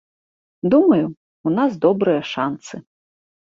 Думаю, у нас добрыя шанцы.